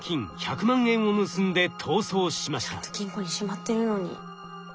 ちゃんと金庫にしまってるのに。